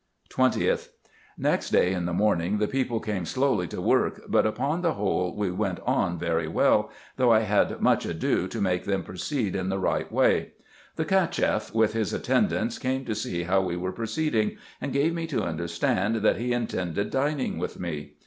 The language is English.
20th. — Next day in the morning the people came slowly to work, but upon the whole we went on very well, though I had much ado to make them proceed in the right way. The Cacheff, with his attendants, came to see how we were proceeding, and gave me to understand, that he intended dining with me.